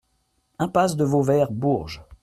Impasse de Vauvert, Bourges